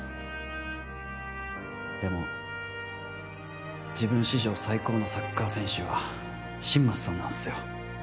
でも、自分史上最高のサッカー選手は新町さんなんすよ。